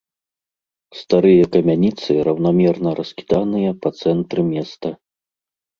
Старыя камяніцы раўнамерна раскіданыя па цэнтры места.